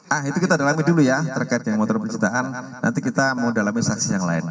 ah itu kita dalami dulu ya terkait dengan motor penciptaan nanti kita mau dalami saksi yang lain